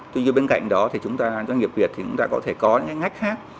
tuy nhiên bên cạnh đó thì doanh nghiệp việt thì chúng ta có thể có những cái ngách khác